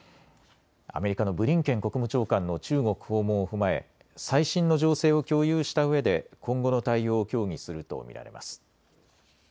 アメリカのブリンケン国務長官の中国訪問を踏まえ最新の情勢を共有したうえで今後の対応を協議すると見られます。